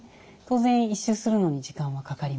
当然１周するのに時間はかかります。